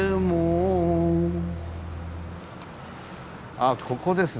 あここですね。